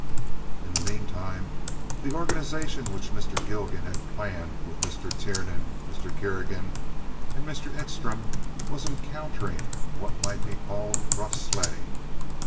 In the mean time the organization which Mr. Gilgan had planned with Mr. Tiernan, Mr. Kerrigan, and Mr. Edstrom was encountering what might be called rough sledding.